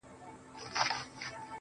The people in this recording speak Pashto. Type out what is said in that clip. خو موږ د ګټي کار کي سراسر تاوان کړی دی,